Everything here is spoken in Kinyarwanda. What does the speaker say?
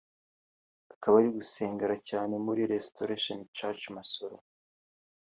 akaba ari gusengera cyane muri Restoration church Masoro